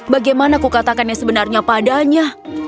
bagaimana aku katakan yang sebenarnya padanya